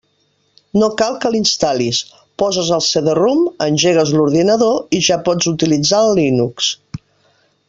No cal que l'instal·lis, poses el CD-ROM, engegues l'ordinador i ja pots utilitzar el Linux.